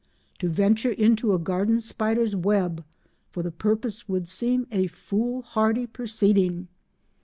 To venture into a garden spider's web for the purpose would seem a fool hardy proceeding.